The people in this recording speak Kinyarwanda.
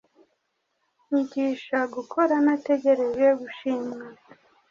Nyigisha gukora ntategereje gushimwa